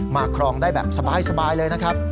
ครองได้แบบสบายเลยนะครับ